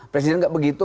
presiden enggak begitu